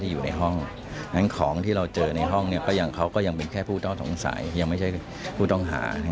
อย่างแท้จริง